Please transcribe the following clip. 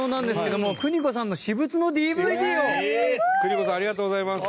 邦子さんありがとうございます。